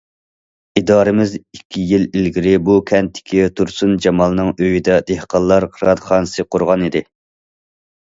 ئىدارىمىز ئىككى يىل ئىلگىرى بۇ كەنتتىكى تۇرسۇن جامالنىڭ ئۆيىدە دېھقانلار قىرائەتخانىسى قۇرغانىدى.